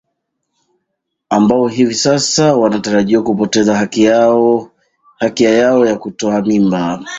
ambao hivi sasa wanatarajia kupoteza haki ya yao ya kutoa mimba